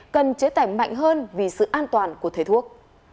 cần chế tài mạnh hơn vì sự an toàn của thể thuốc